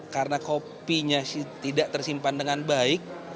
karena copy nya tidak tersimpan dengan baik